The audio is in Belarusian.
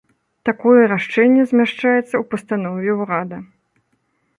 Такое рашэнне змяшчаецца ў пастанове ўрада.